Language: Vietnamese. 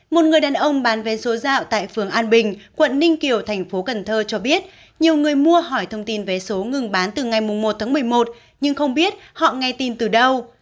một người đàn ông bán vé số dạo tại phường an bình quận ninh kiều thành phố cần thơ cho biết nhiều người mua hỏi thông tin vé số ngừng bán từ ngày một tháng một mươi một nhưng không biết họ nghe tin từ đâu